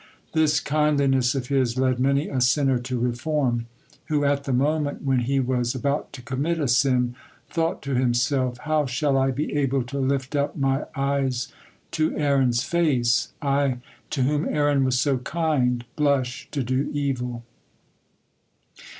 This kindliness of his led many a sinner to reform, who at the moment when he was about to commit a sin thought to himself: "How shall I be able to lift up my eyes to Aaron's face? I, to whom Aaron was so kind, blush to do evil."